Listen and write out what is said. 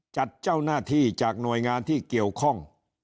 จัดเจ้าหน้าที่จากหน่วยงานที่เกี่ยวข้อง